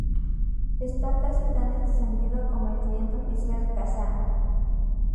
Está casi tan extendido como el cliente oficial Kazaa.